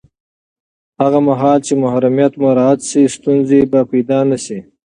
هغه مهال چې محرمیت مراعت شي، ستونزې به پیدا نه شي.